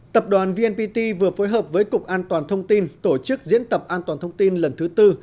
tập đoàn vnpt vừa phối hợp với cục an toàn thông tin tổ chức diễn tập an toàn thông tin lần thứ tư